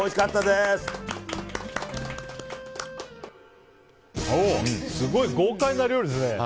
すごい豪快な料理ですね。